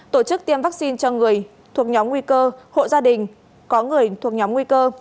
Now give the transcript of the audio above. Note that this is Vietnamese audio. tổ chức tiêm vaccine cho người thuộc nhóm nguy cơ hộ gia đình có người thuộc nhóm nguy cơ